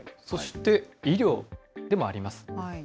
そして医療でもあります。